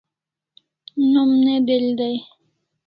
Nom ne del dai